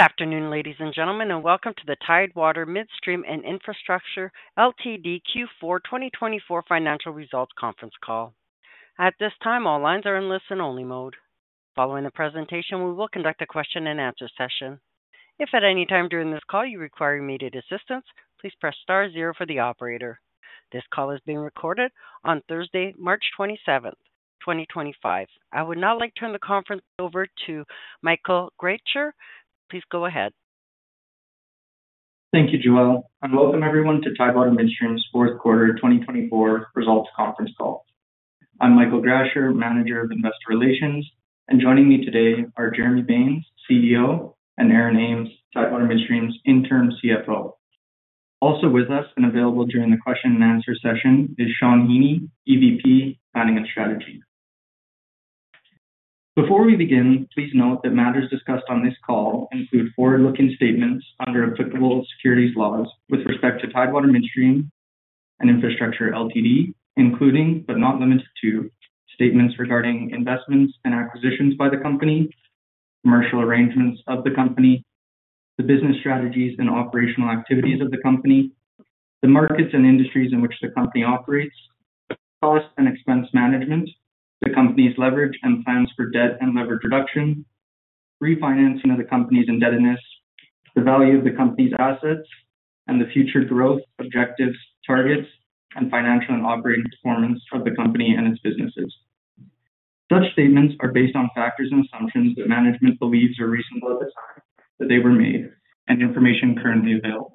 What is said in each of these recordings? Good afternoon, ladies and gentlemen, and welcome to the Tidewater Midstream and Infrastructure Q4 2024 Financial Results Conference Call. At this time, all lines are in listen-only mode. Following the presentation, we will conduct a question-and-answer session. If at any time during this call you require immediate assistance, please press star zero for the operator. This call is being recorded on Thursday, March 27th, 2025. I would now like to turn the conference over to Michael Grasher. Please go ahead. Thank you, Joel. Welcome, everyone, to Tidewater Midstream's fourth quarter 2024 results conference call. I'm Michael Grasher, Manager of Investor Relations, and joining me today are Jeremy Baines, CEO, and Aaron Ames, Tidewater Midstream's Interim CFO. Also with us and available during the question-and-answer session is Shawn Heaney, EVP, Planning and Strategy. Before we begin, please note that matters discussed on this call include forward-looking statements under applicable securities laws with respect to Tidewater Midstream and Infrastructure, including but not limited to statements regarding investments and acquisitions by the company, commercial arrangements of the company, the business strategies and operational activities of the company, the markets and industries in which the company operates, cost and expense management, the company's leverage and plans for debt and leverage reduction, refinancing of the company's indebtedness, the value of the company's assets, and the future growth objectives, targets, and financial and operating performance of the company and its businesses. Such statements are based on factors and assumptions that management believes are reasonable at the time that they were made and information currently available.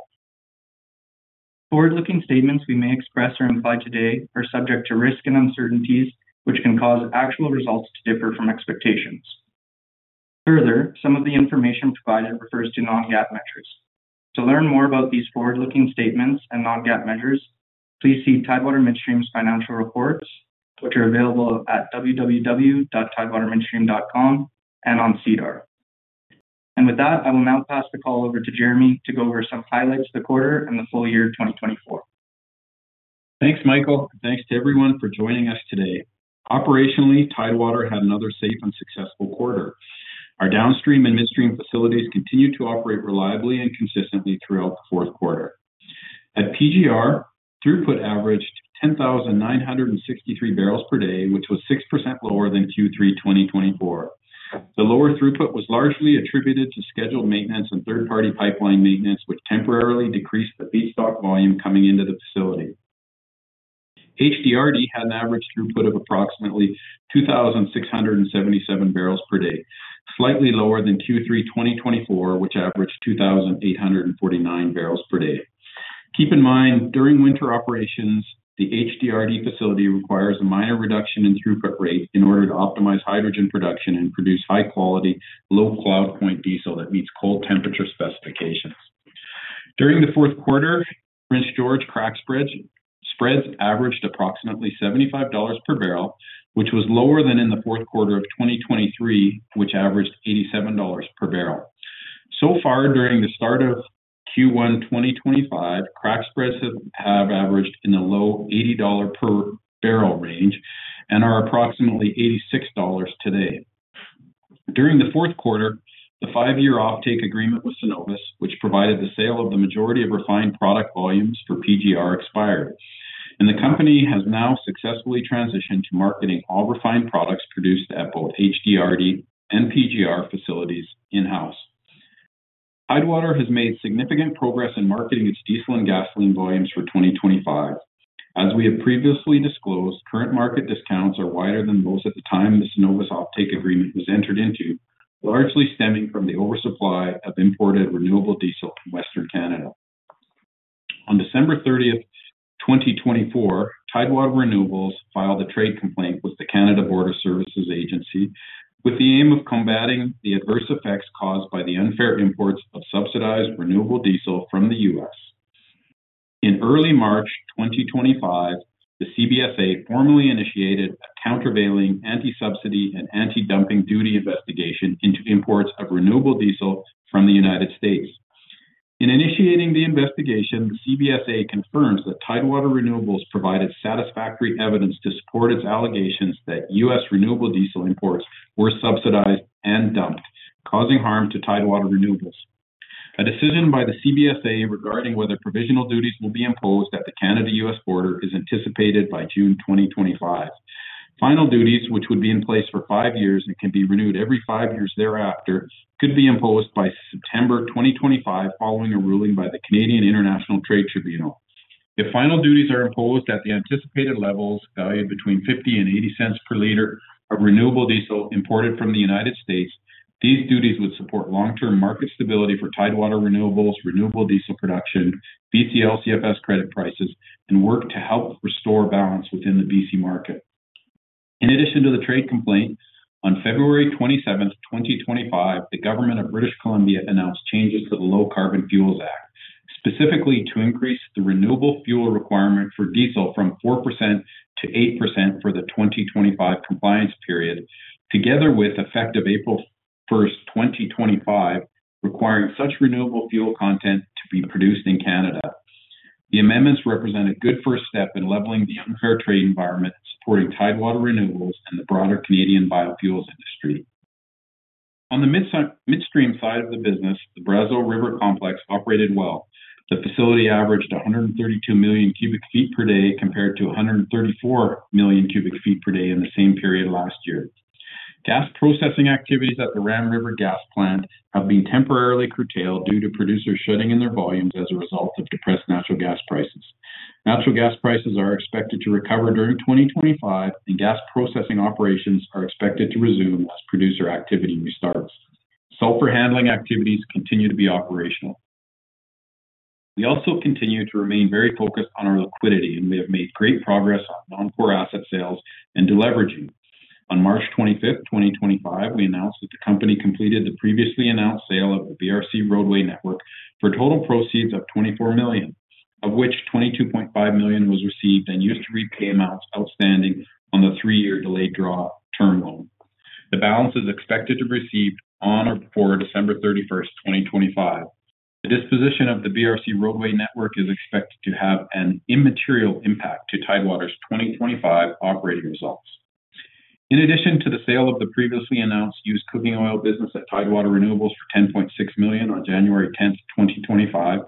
Forward-looking statements we may express or imply today are subject to risk and uncertainties, which can cause actual results to differ from expectations. Further, some of the information provided refers to non-GAAP measures. To learn more about these forward-looking statements and non-GAAP measures, please see Tidewater Midstream's financial reports, which are available at www.tidewatermidstream.com and on SEDAR. I will now pass the call over to Jeremy to go over some highlights of the quarter and the full year 2024. Thanks, Michael. Thanks to everyone for joining us today. Operationally, Tidewater had another safe and successful quarter. Our downstream and midstream facilities continued to operate reliably and consistently throughout the fourth quarter. At PGR, throughput averaged 10,963 barrels per day, which was 6% lower than Q3 2024. The lower throughput was largely attributed to scheduled maintenance and third-party pipeline maintenance, which temporarily decreased the feedstock volume coming into the facility. HDRD had an average throughput of approximately 2,677 barrels per day, slightly lower than Q3 2024, which averaged 2,849 barrels per day. Keep in mind, during winter operations, the HDRD facility requires a minor reduction in throughput rate in order to optimize hydrogen production and produce high-quality, low-cloud point diesel that meets cold temperature specifications. During the fourth quarter, Prince George crack spreads averaged approximately $75 per barrel, which was lower than in the fourth quarter of 2023, which averaged $87 per barrel. During the start of Q1 2025, crack spreads have averaged in the low $80 per barrel range and are approximately $86 today. During the fourth quarter, the five-year offtake agreement with Cenovus, which provided the sale of the majority of refined product volumes for PGR, expired, and the company has now successfully transitioned to marketing all refined products produced at both HDRD PGR facilities in-house. Tidewater has made significant progress in marketing its diesel and gasoline volumes for 2025. As we have previously disclosed, current market discounts are wider than those at the time the Cenovus offtake agreement was entered into, largely stemming from the oversupply of imported renewable diesel in Western Canada. On December 30, 2024, Tidewater Renewables filed a trade complaint with the Canada Border Services Agency with the aim of combating the adverse effects caused by the unfair imports of subsidized renewable diesel from the US. In early March 2025, the CBSA formally initiated a countervailing anti-subsidy and anti-dumping duty investigation into imports of renewable diesel from the United States. In initiating the investigation, the CBSA confirms that Tidewater Renewables provided satisfactory evidence to support its allegations that US renewable diesel imports were subsidized and dumped, causing harm to Tidewater Renewables. A decision by the CBSA regarding whether provisional duties will be imposed at the Canada-US border is anticipated by June 2025. Final duties, which would be in place for five years and can be renewed every five years thereafter, could be imposed by September 2025 following a ruling by the Canadian International Trade Tribunal. If final duties are imposed at the anticipated levels valued between 50 and 80 cents per liter of renewable diesel imported from the United States, these duties would support long-term market stability for Tidewater Renewables' renewable diesel production, BCLCFS credit prices, and work to help restore balance within the BC market. In addition to the trade complaint, on February 27, 2025, the government of British Columbia announced changes to the Low Carbon Fuels Act, specifically to increase the renewable fuel requirement for diesel from 4% to 8% for the 2025 compliance period, together with effect of April 1, 2025, requiring such renewable fuel content to be produced in Canada. The amendments represent a good first step in leveling the unfair trade environment supporting Tidewater Renewables and the broader Canadian biofuels industry. On the midstream side of the business, the Brazeau River Complex operated well. The facility averaged 132 million cubic feet per day compared to 134 million cubic feet per day in the same period last year. Gas processing activities at the Ram River facility have been temporarily curtailed due to producers shutting in their volumes as a result of depressed natural gas prices. Natural gas prices are expected to recover during 2025, and gas processing operations are expected to resume as producer activity restarts. Sulfur handling activities continue to be operational. We also continue to remain very focused on our liquidity, and we have made great progress on non-core asset sales and deleveraging. On March 25, 2025, we announced that the company completed the previously announced sale of the Brazeau River Complex roadway network for total proceeds of 24 million, of which 22.5 million was received and used to repay amounts outstanding on the three-year delayed draw term loan. The balance is expected to be received on or before December 31, 2025. The disposition of the Brazeau River Complex roadway network is expected to have an immaterial impact to Tidewater's 2025 operating results. In addition to the sale of the previously announced used cooking oil business at Tidewater Renewables for 10.6 million on January 10, 2025,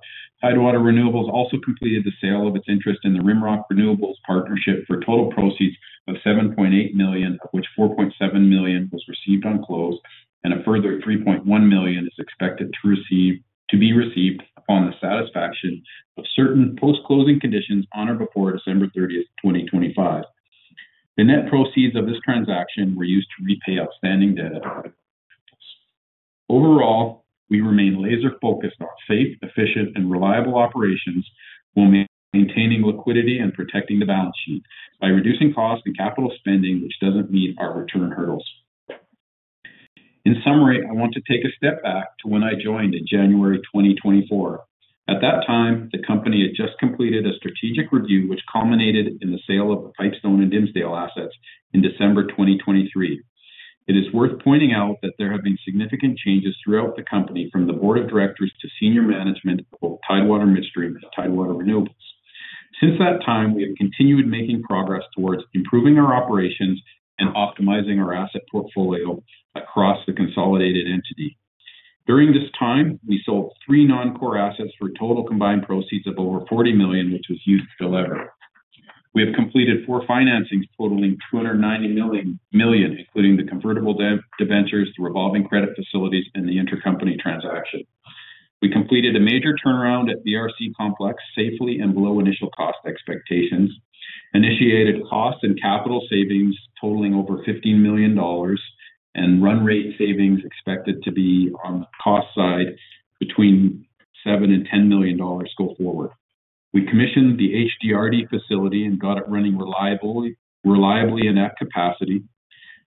Tidewater Renewables also completed the sale of its interest in the Rimrock Renewables Partnership for total proceeds of 7.8 million, of which 4.7 million was received on close, and a further 3.1 million is expected to be received upon the satisfaction of certain post-closing conditions on or before December 30, 2025. The net proceeds of this transaction were used to repay outstanding debt. Overall, we remain laser-focused on safe, efficient, and reliable operations while maintaining liquidity and protecting the balance sheet by reducing costs and capital spending, which does not meet our return hurdles. In summary, I want to take a step back to when I joined in January 2024. At that time, the company had just completed a strategic review, which culminated in the sale of the Pipestone and Dimsdale assets in December 2023. It is worth pointing out that there have been significant changes throughout the company from the board of directors to senior management of both Tidewater Midstream and Tidewater Renewables. Since that time, we have continued making progress towards improving our operations and optimizing our asset portfolio across the consolidated entity. During this time, we sold three non-core assets for total combined proceeds of over 40 million, which was used to de-lever. We have completed four financings totaling 290 million, including the convertible debentures, the revolving credit facilities, and the intercompany transaction. We completed a major turnaround at BRC Complex safely and below initial cost expectations, initiated cost and capital savings totaling over 15 million dollars, and run rate savings expected to be on the cost side between 7 million and 10 million dollars go forward. We commissioned the HDRD facility and got it running reliably in that capacity.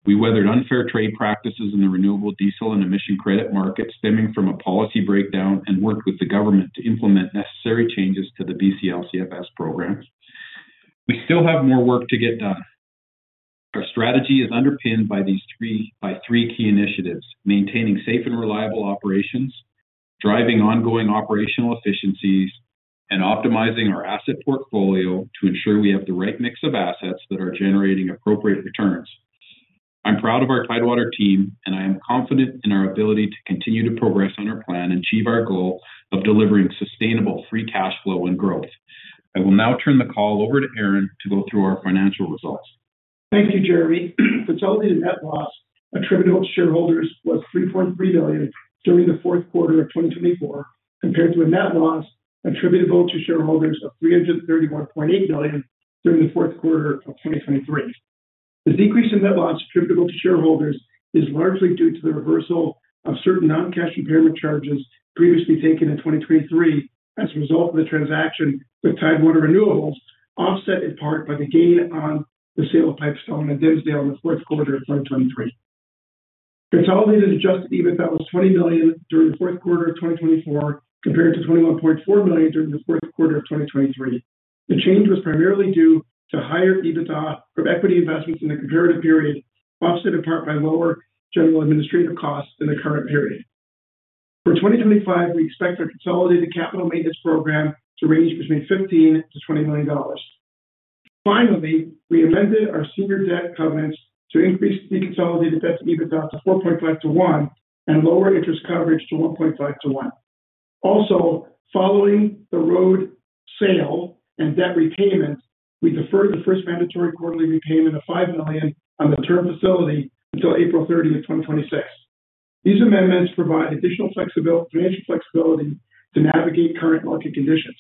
We weathered unfair trade practices in the renewable diesel and emission credit market stemming from a policy breakdown and worked with the government to implement necessary changes to the BCLCFS program. We still have more work to get done. Our strategy is underpinned by these three key initiatives: maintaining safe and reliable operations, driving ongoing operational efficiencies, and optimizing our asset portfolio to ensure we have the right mix of assets that are generating appropriate returns. I'm proud of our Tidewater team, and I am confident in our ability to continue to progress on our plan and achieve our goal of delivering sustainable free cash flow and growth. I will now turn the call over to Aaron to go through our financial results. Thank you, Jeremy. The total net loss attributable to shareholders was 3.3 million during the fourth quarter of 2024, compared to a net loss attributable to shareholders of 331.8 million during the fourth quarter of 2023. The decrease in net loss attributable to shareholders is largely due to the reversal of certain non-cash impairment charges previously taken in 2023 as a result of the transaction with Tidewater Renewables, offset in part by the gain on the sale of Pipestone and Dimsdale in the fourth quarter of 2023. Consolidated adjusted EBITDA was 20 million during the fourth quarter of 2024, compared to 21.4 million during the fourth quarter of 2023. The change was primarily due to higher EBITDA from equity investments in the comparative period, offset in part by lower general administrative costs in the current period. For 2025, we expect our consolidated capital maintenance program to range between 15 million-20 million dollars. Finally, we amended our senior debt covenants to increase the consolidated debt to EBITDA to 4.5 to 1 and lower interest coverage to 1.5 to 1. Also, following the road sale and debt repayment, we deferred the first mandatory quarterly repayment of 5 million on the term facility until April 30, 2026. These amendments provide additional financial flexibility to navigate current market conditions.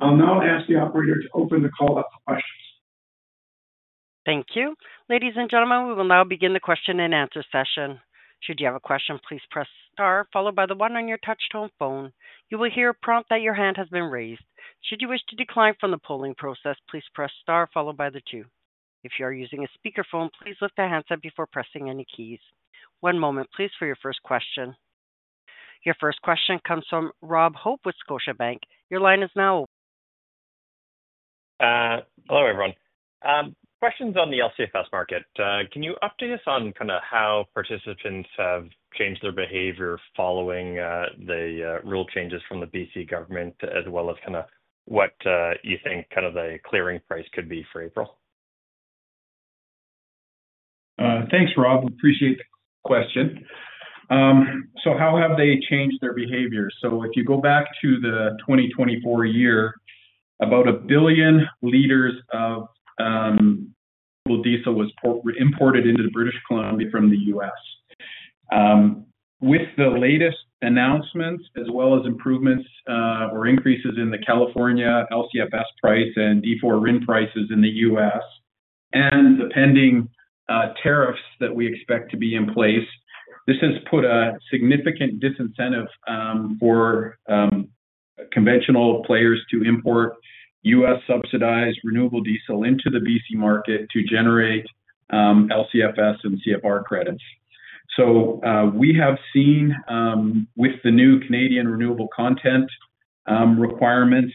I'll now ask the operator to open the call up for questions. Thank you. Ladies and gentlemen, we will now begin the question and answer session. Should you have a question, please press star, followed by the one on your touch-tone phone. You will hear a prompt that your hand has been raised. Should you wish to decline from the polling process, please press star, followed by the two. If you are using a speakerphone, please lift the hands up before pressing any keys. One moment, please, for your first question. Your first question comes from Rob Hope with Scotiabank. Your line is now open. Hello, everyone. Questions on the LCFS market. Can you update us on kind of how participants have changed their behavior following the rule changes from the BC government, as well as kind of what you think kind of the clearing price could be for April? Thanks, Rob. Appreciate the question. How have they changed their behavior? If you go back to the 2024 year, about 1 billion liters of renewable diesel was imported into British Columbia from the US. With the latest announcements, as well as improvements or increases in the California LCFS price and D4 RIN prices in the US and the pending tariffs that we expect to be in place, this has put a significant disincentive for conventional players to import US-subsidized renewable diesel into the BC market to generate LCFS and CFR credits. We have seen, with the new Canadian renewable content requirements,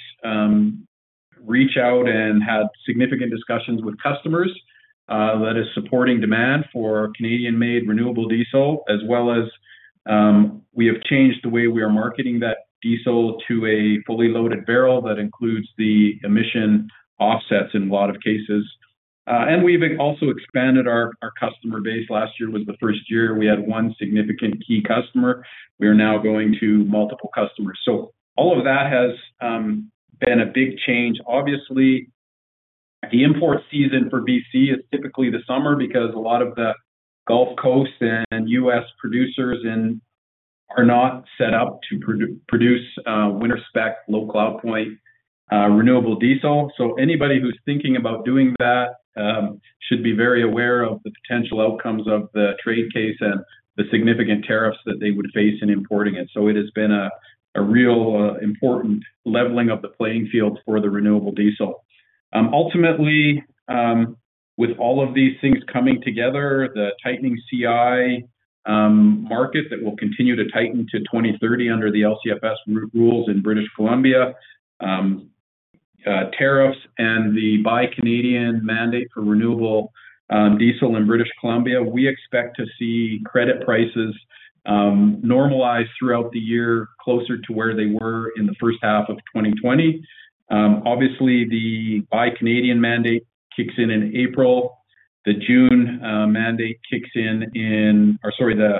reach out and had significant discussions with customers that are supporting demand for Canadian-made renewable diesel, as well as we have changed the way we are marketing that diesel to a fully loaded barrel that includes the emission offsets in a lot of cases. We have also expanded our customer base. Last year was the first year we had one significant key customer. We are now going to multiple customers. All of that has been a big change. Obviously, the import season for British Columbia is typically the summer because a lot of the Gulf Coast and US producers are not set up to produce winter-spec low cloud point renewable diesel. Anybody who is thinking about doing that should be very aware of the potential outcomes of the trade case and the significant tariffs that they would face in importing it. It has been a real important leveling of the playing field for the renewable diesel. Ultimately, with all of these things coming together, the tightening CI market that will continue to tighten to 2030 under the LCFS rules in British Columbia, tariffs, and the Buy Canadian mandate for renewable diesel in British Columbia, we expect to see credit prices normalize throughout the year closer to where they were in the first half of 2020. Obviously, the Buy Canadian mandate kicks in in April. The June mandate kicks in in, or sorry, the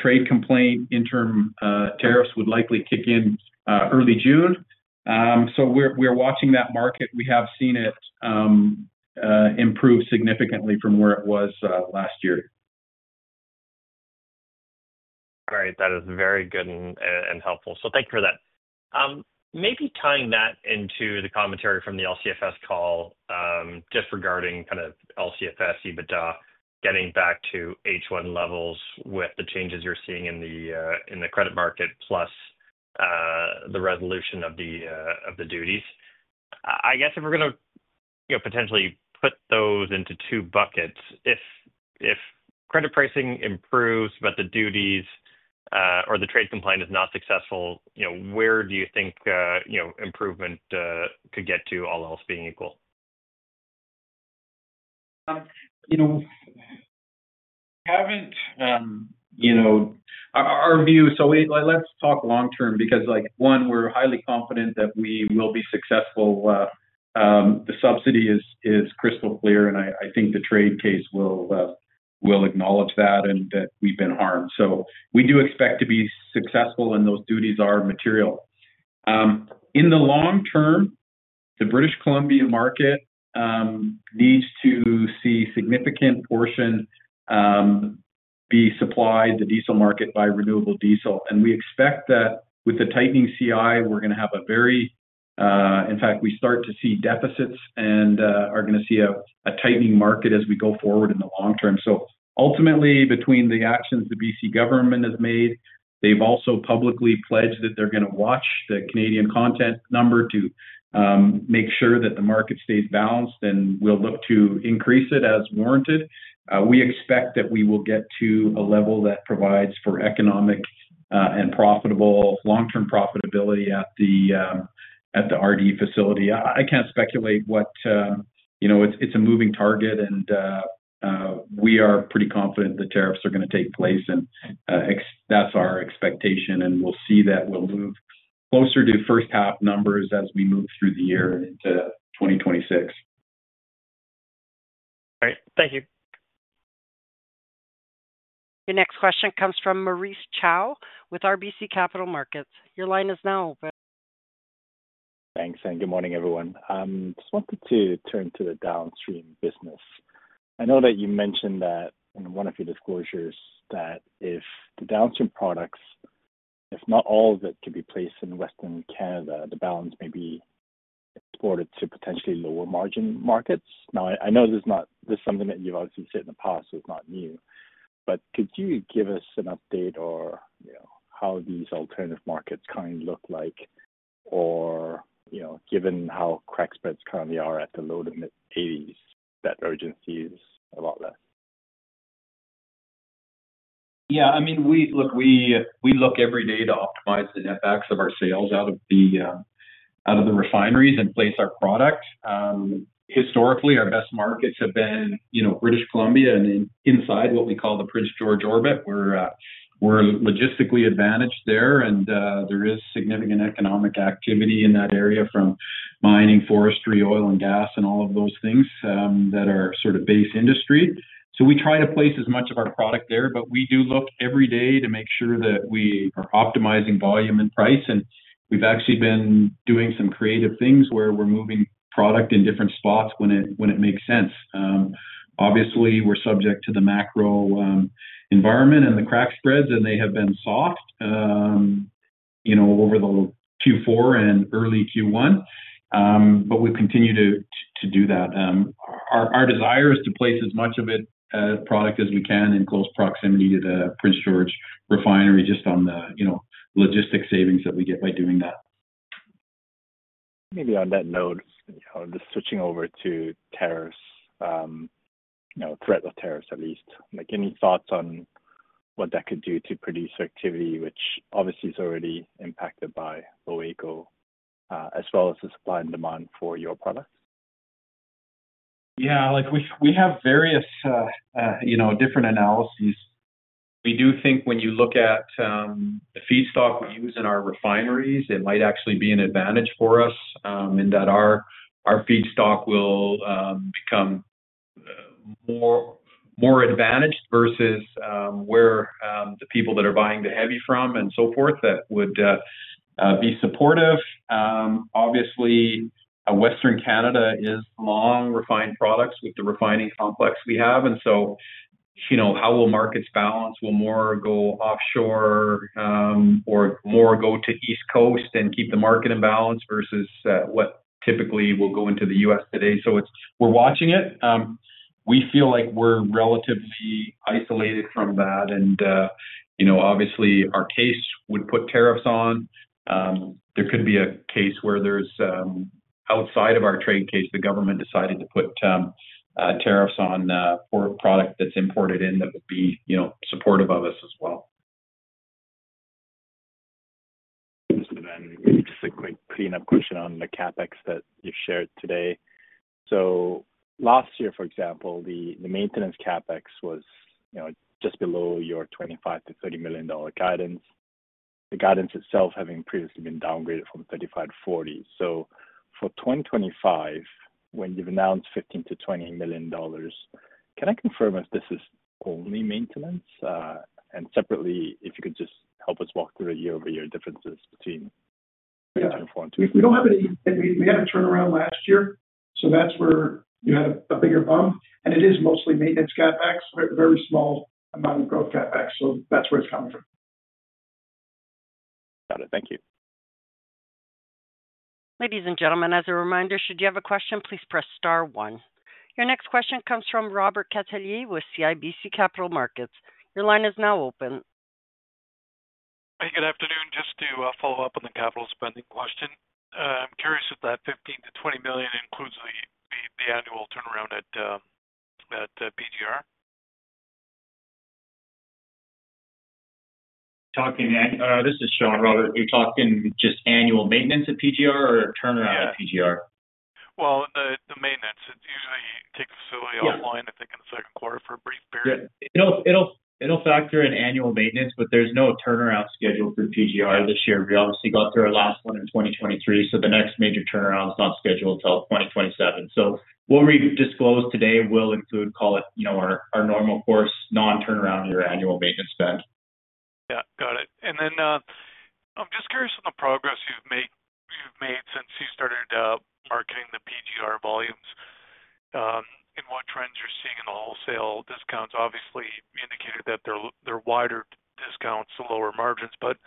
trade complaint interim tariffs would likely kick in early June. We are watching that market. We have seen it improve significantly from where it was last year. All right. That is very good and helpful. Thank you for that. Maybe tying that into the commentary from the LCFS call just regarding kind of LCFS EBITDA, getting back to H1 levels with the changes you're seeing in the credit market plus the resolution of the duties. I guess if we're going to potentially put those into two buckets, if credit pricing improves but the duties or the trade complaint is not successful, where do you think improvement could get to, all else being equal? We have not, our view, so let's talk long-term because, one, we're highly confident that we will be successful. The subsidy is crystal clear, and I think the trade case will acknowledge that and that we've been harmed. We do expect to be successful, and those duties are material. In the long term, the British Columbia market needs to see a significant portion be supplied, the diesel market, by renewable diesel. We expect that with the tightening CI, we're going to have a very, in fact, we start to see deficits and are going to see a tightening market as we go forward in the long term. Ultimately, between the actions the BC government has made, they've also publicly pledged that they're going to watch the Canadian content number to make sure that the market stays balanced, and will look to increase it as warranted. We expect that we will get to a level that provides for economic and long-term profitability at the RD facility. I can't speculate what it's a moving target, and we are pretty confident the tariffs are going to take place, and that's our expectation, and we'll see that we'll move closer to first-half numbers as we move through the year into 2026. All right. Thank you. Your next question comes from Maurice Choy with RBC Capital Markets. Your line is now open. Thanks. Good morning, everyone. I just wanted to turn to the downstream business. I know that you mentioned that in one of your disclosures that if the downstream products, if not all of it, can be placed in Western Canada, the balance may be exported to potentially lower-margin markets. I know this is something that you've obviously said in the past, so it's not new. Could you give us an update on how these alternative markets kind of look like, or given how crack spreads currently are at the low to mid-80s, that urgency is a lot less? Yeah. I mean, look, we look every day to optimize the net backs of our sales out of the refineries and place our product. Historically, our best markets have been British Columbia and inside what we call the Prince George orbit. We're logistically advantaged there, and there is significant economic activity in that area from mining, forestry, oil and gas, and all of those things that are sort of base industry. We try to place as much of our product there, but we do look every day to make sure that we are optimizing volume and price. We've actually been doing some creative things where we're moving product in different spots when it makes sense. Obviously, we're subject to the macro environment and the crack spreads, and they have been soft over the Q4 and early Q1, but we continue to do that. Our desire is to place as much of it product as we can in close proximity to the Prince George Refinery, just on the logistic savings that we get by doing that. Maybe on that note, just switching over to tariffs, threat of tariffs at least. Any thoughts on what that could do to produce activity, which obviously is already impacted by AECO, as well as the supply and demand for your products? Yeah. We have various different analyses. We do think when you look at the feedstock we use in our refineries, it might actually be an advantage for us in that our feedstock will become more advantaged versus where the people that are buying the heavy from and so forth that would be supportive. Obviously, Western Canada is long refined products with the refining complex we have. How will markets balance? Will more go offshore or more go to East Coast and keep the market in balance versus what typically will go into the U.S. today? We are watching it. We feel like we are relatively isolated from that. Obviously, our case would put tariffs on. There could be a case where, outside of our trade case, the government decided to put tariffs on product that is imported in that would be supportive of us as well. Just a quick cleanup question on the CapEx that you've shared today. Last year, for example, the maintenance CapEx was just below your 25 million-30 million dollar guidance. The guidance itself having previously been downgraded from 35 million-40 million. For 2025, when you've announced 15 million-20 million dollars, can I confirm if this is only maintenance? Separately, if you could just help us walk through the year-over-year differences between 2024 and 2025. We do not have any. We had a turnaround last year, so that is where you had a bigger bump. It is mostly maintenance CapEx, very small amount of growth CapEx. That is where it is coming from. Got it. Thank you. Ladies and gentlemen, as a reminder, should you have a question, please press star one. Your next question comes from Robert Catellier with CIBC Capital Markets. Your line is now open. Hey, good afternoon. Just to follow up on the capital spending question. I'm curious if that $15-$20 million includes the annual turnaround at PGR. You're talking to me? This is Shawn Heaney. You're talking just annual maintenance at PGR or turnaround at PGR? The maintenance. It's usually take the facility offline I think in the second quarter for a brief period. It'll factor in annual maintenance, but there's no turnaround scheduled for PGR this year. We obviously got through our last one in 2023, so the next major turnaround is not scheduled until 2027. What we've disclosed today will include, call it our normal course, non-turnaround, your annual maintenance spend. Yeah. Got it. I'm just curious on the progress you've made since you started marketing the PGR volumes and what trends you're seeing in the wholesale discounts. Obviously, you indicated that they're wider discounts to lower margins, but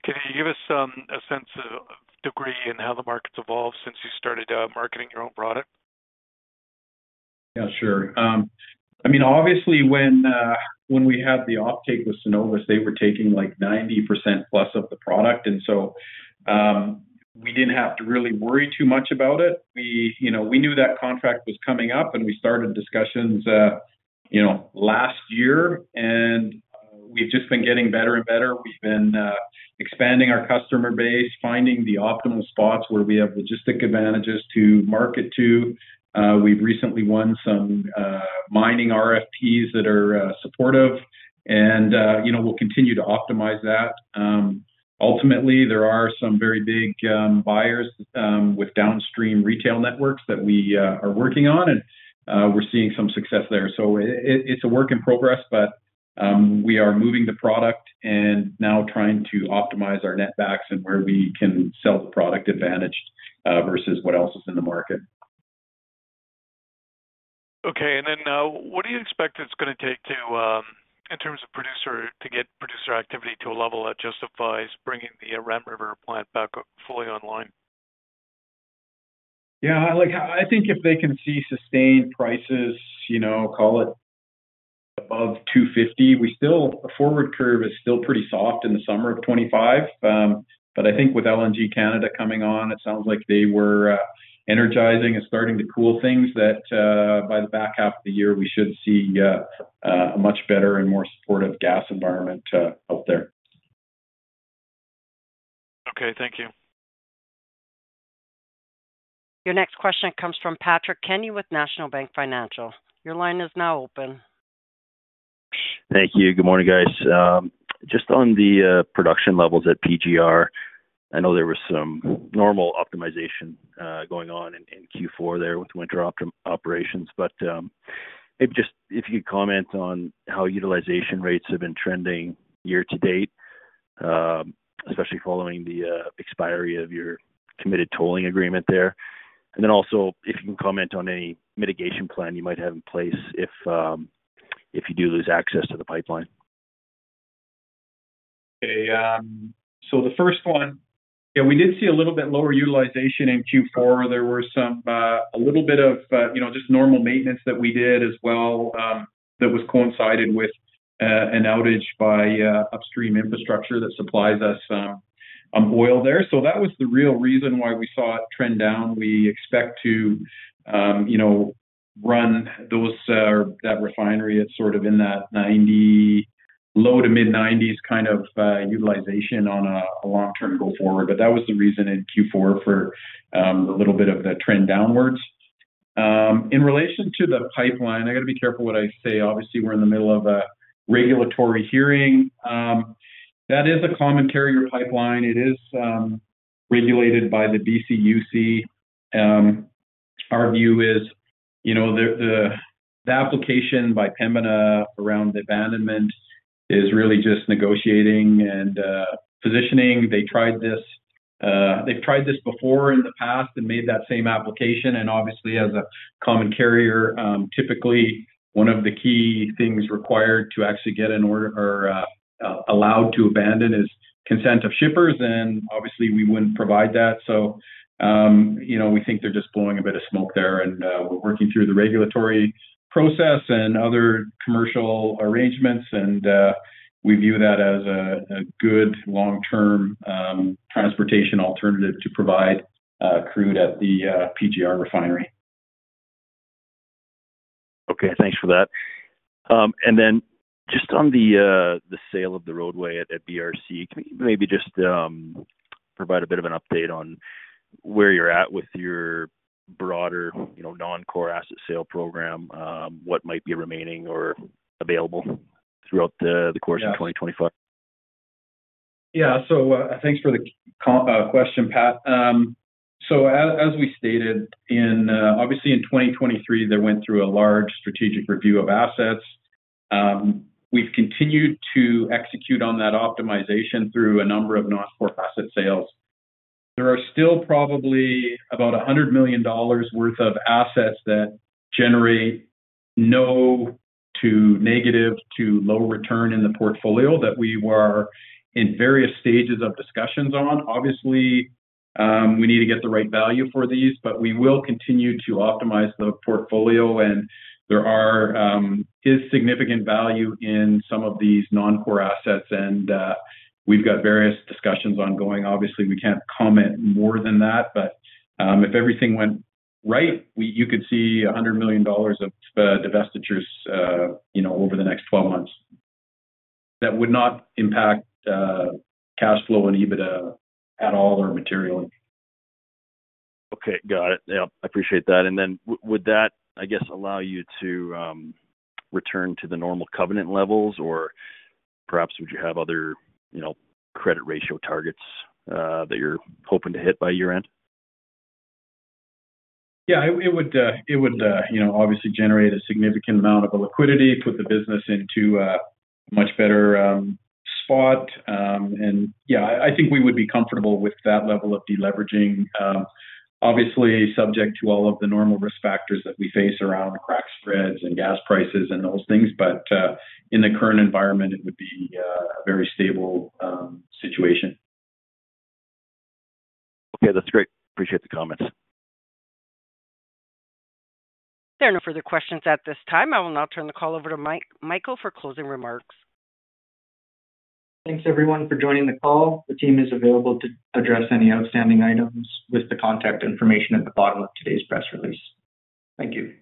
can you give us a sense of degree in how the market's evolved since you started marketing your own product? Yeah, sure. I mean, obviously, when we had the offtake with Cenovus, they were taking like 90% plus of the product. We did not have to really worry too much about it. We knew that contract was coming up, and we started discussions last year, and we have just been getting better and better. We have been expanding our customer base, finding the optimal spots where we have logistic advantages to market to. We have recently won some mining RFPs that are supportive, and we will continue to optimize that. Ultimately, there are some very big buyers with downstream retail networks that we are working on, and we are seeing some success there. It is a work in progress, but we are moving the product and now trying to optimize our net backs and where we can sell the product advantaged versus what else is in the market. Okay. What do you expect it's going to take in terms of producer to get producer activity to a level that justifies bringing the Ram River plant back fully online? Yeah. I think if they can see sustained prices, call it above 250, we still the forward curve is still pretty soft in the summer of 2025. I think with LNG Canada coming on, it sounds like they were energizing and starting to cool things that by the back half of the year, we should see a much better and more supportive gas environment out there. Okay. Thank you. Your next question comes from Patrick Kenny with National Bank Financial. Your line is now open. Thank you. Good morning, guys. Just on the production levels at PGR, I know there was some normal optimization going on in Q4 there with winter operations. If you could comment on how utilization rates have been trending year to date, especially following the expiry of your committed tolling agreement there. Also, if you can comment on any mitigation plan you might have in place if you do lose access to the pipeline. Okay. The first one, yeah, we did see a little bit lower utilization in Q4. There was a little bit of just normal maintenance that we did as well that coincided with an outage by upstream infrastructure that supplies us on oil there. That was the real reason why we saw it trend down. We expect to run that refinery at sort of in that low to mid-90% kind of utilization on a long-term go forward. That was the reason in Q4 for a little bit of the trend downwards. In relation to the pipeline, I got to be careful what I say. Obviously, we're in the middle of a regulatory hearing. That is a common carrier pipeline. It is regulated by the BCUC. Our view is the application by Pembina around the abandonment is really just negotiating and positioning. They tried this. They've tried this before in the past and made that same application. Obviously, as a common carrier, typically one of the key things required to actually get an order or allowed to abandon is consent of shippers. Obviously, we wouldn't provide that. We think they're just blowing a bit of smoke there. We're working through the regulatory process and other commercial arrangements, and we view that as a good long-term transportation alternative to provide crude at the PGR refinery. Okay. Thanks for that. Just on the sale of the roadway at BRC, can you maybe just provide a bit of an update on where you're at with your broader non-core asset sale program, what might be remaining or available throughout the course of 2025? Yeah. Thanks for the question, Pat. As we stated, obviously in 2023, they went through a large strategic review of assets. We've continued to execute on that optimization through a number of non-core asset sales. There are still probably about 100 million dollars worth of assets that generate no to negative to low return in the portfolio that we were in various stages of discussions on. Obviously, we need to get the right value for these, but we will continue to optimize the portfolio. There is significant value in some of these non-core assets, and we've got various discussions ongoing. Obviously, we can't comment more than that, but if everything went right, you could see 100 million dollars of divestitures over the next 12 months that would not impact cash flow and EBITDA at all or materially. Okay. Got it. Yeah. I appreciate that. Would that, I guess, allow you to return to the normal covenant levels, or perhaps would you have other credit ratio targets that you're hoping to hit by year-end? Yeah. It would obviously generate a significant amount of liquidity, put the business into a much better spot. Yeah, I think we would be comfortable with that level of deleveraging, obviously subject to all of the normal risk factors that we face around crack spreads and gas prices and those things. In the current environment, it would be a very stable situation. Okay. That's great. Appreciate the comments. There are no further questions at this time. I will now turn the call over to Michael for closing remarks. Thanks, everyone, for joining the call. The team is available to address any outstanding items with the contact information at the bottom of today's press release. Thank you.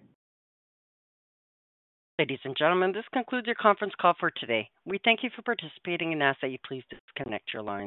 Ladies and gentlemen, this concludes your conference call for today. We thank you for participating and ask that you please disconnect your line.